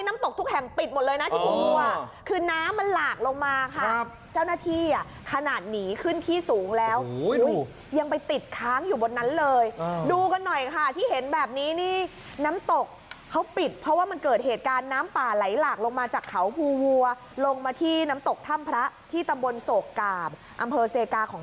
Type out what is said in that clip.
อันนี้พาไปดูที่บึงกานหน่อยละกัน